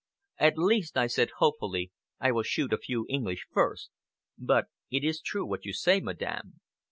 "At least," I said hopefully, "I will shoot a few English first. But it is true what you say, Madame."